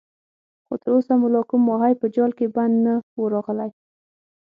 خو تر اوسه مو لا کوم ماهی په جال کې بند نه وو راغلی.